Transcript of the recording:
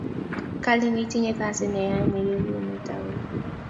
kalin itinye kasit neyain iekumetakuu